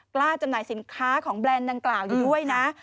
กล้าจำหน่ายสินค้าของแบรนด์ดังกล่าวอยู่ด้วยนะ